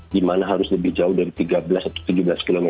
di mana harus lebih jauh dari tiga belas atau tujuh belas km